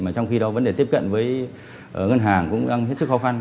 mà trong khi đó vấn đề tiếp cận với ngân hàng cũng đang hết sức khó khăn